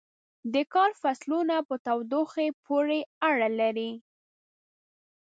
د کال فصلونه په تودوخې پورې اړه لري.